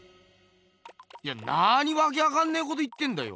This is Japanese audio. いやなにわけわかんねえこと言ってんだよ。